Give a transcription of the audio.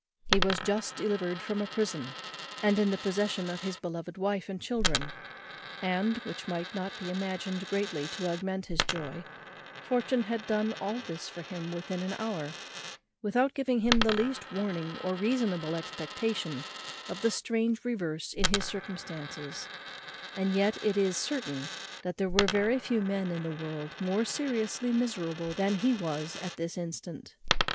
He was just delivered from a prison, and in the possession of his beloved wife and children; and (which might be imagined greatly to augment his joy) fortune had done all this for him within an hour, without giving him the least warning or reasonable expectation of the strange reverse in his circumstances; and yet it is certain that there were very few men in the world more seriously miserable than he was at this instant.